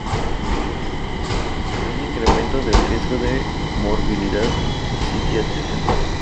Hay incremento del riesgo de morbilidad psiquiátrica.